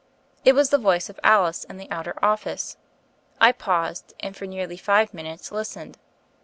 It was the voice of Alice in the outer office. I paused, and for nearly five minutes listened.